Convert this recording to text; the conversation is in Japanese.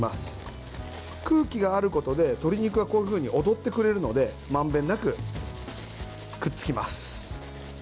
空気があることで鶏肉がこういうふうに踊ってくれるのでまんべんなくくっつきます。